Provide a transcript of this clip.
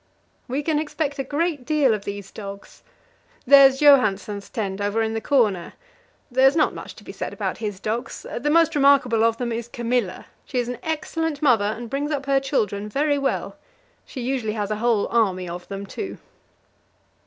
We can expect a great deal of these dogs. There's Johansen's tent over in the corner; there is not much to be said about his dogs. The most remarkable of them is Camilla. She is an excellent mother, and brings up her children very well; she usually has a whole army of them, too.